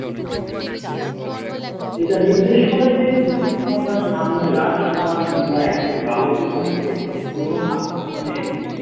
এটা নির্দেশ করে যে সৃষ্টিকর্তার সামনে রাজকুমার কিংবা একজন বালকের মধ্যে কোন পার্থক্য নেই।